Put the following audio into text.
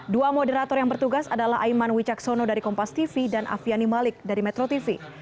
dua moderator yang bertugas adalah aiman wicaksono dari kompas tv dan afiani malik dari metro tv